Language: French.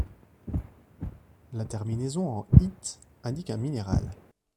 La terminaison en -ite indique un minéral.